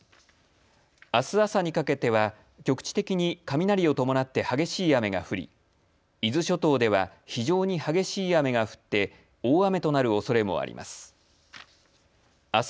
あす朝にかけては局地的に雷を伴って激しい雨が降り伊豆諸島では非常に激しい雨が降って大雨となるおそれもあります。